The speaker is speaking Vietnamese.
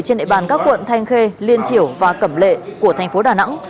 trên địa bàn các quận thanh khê liên triểu và cẩm lệ của thành phố đà nẵng